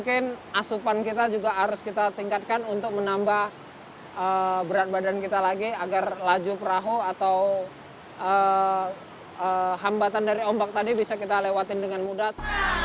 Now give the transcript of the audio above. kita tingkatkan untuk menambah berat badan kita lagi agar laju perahu atau hambatan dari ombak tadi bisa kita lewatin dengan mudah